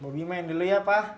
bobi main dulu ya pak